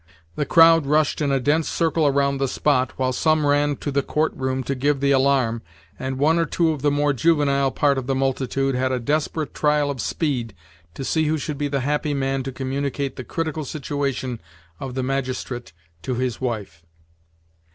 The crowd rushed in a dense circle around the spot, while some ran to the court room to give the alarm, and one or two of the more juvenile part of the multitude had a desperate trial of speed to see who should be the happy man to communicate the critical situation of the magistrate to his wife.